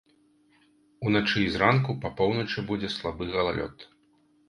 Уначы і зранку па поўначы будзе слабы галалёд.